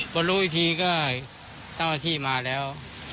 พอรู้อีกทีก็เจ้าหน้าที่มาแล้ว